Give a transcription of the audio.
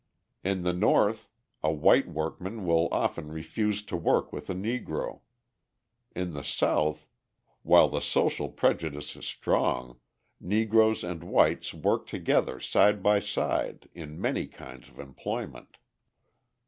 In the North a white workman will often refuse to work with a Negro; in the South, while the social prejudice is strong, Negroes and whites work together side by side in many kinds of employment.